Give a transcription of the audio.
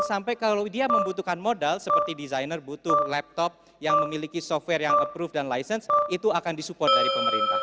sampai kalau dia membutuhkan modal seperti desainer butuh laptop yang memiliki software yang approve dan license itu akan disupport dari pemerintah